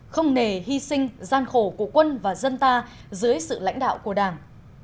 không nề hy sinh gian khổ của quân và dân ta dưới sự lãnh đạo của đảng